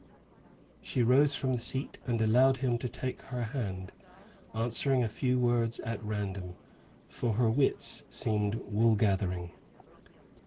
She rose from the seat, and allowed him to take her hand, answering a few words at random, for her wits seemed wool gathering.